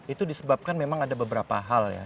itu disebabkan memang ada beberapa hal ya